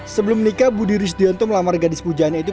sebelum menikah budi rizdianto melamar gadis pujanya itu